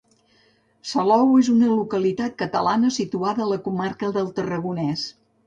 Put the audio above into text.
Salou és una localitat catalana situada a la comarca del Tarragonès.